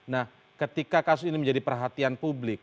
nah ketika kasus ini menjadi perhatian publik